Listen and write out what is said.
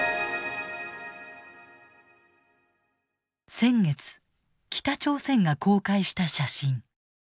先月北朝鮮が公開した写真。